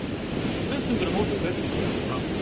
レッスンからもうすぐ帰ってくると思うけどな。